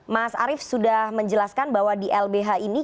mas arief sudah menjelaskan bahwa di lbh ini